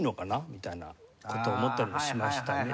みたいな事を思ったりもしましたね。